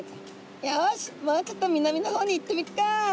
よしもうちょっと南の方に行ってみっか！」。